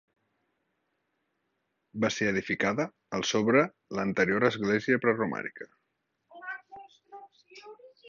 Va ser edificada al sobre l'anterior església preromànica.